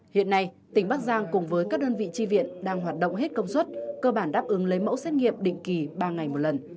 hiện nay tỉnh bắc giang cùng với các đơn vị tri viện đang hoạt động hết công suất cơ bản đáp ứng lấy mẫu xét nghiệm định kỳ ba ngày một lần